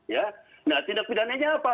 ya nah tindak pidananya apa